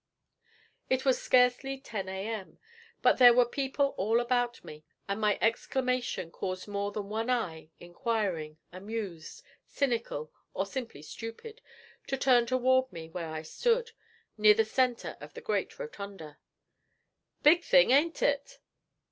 It was scarcely ten a.m., but there were people all about me, and my exclamation caused more than one eye, inquiring, amused, cynical, or simply stupid, to turn toward me where I stood, near the centre of the great rotunda. 'Big thing, ain't it?'